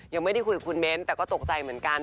ยังไม่ได้คุยกับคุณเบ้นแต่ก็ตกใจเหมือนกัน